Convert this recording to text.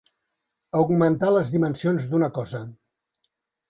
Augmentar les dimensions d'una cosa.